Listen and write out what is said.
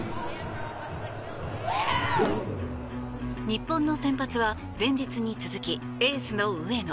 日本の先発は前日に続き、エースの上野。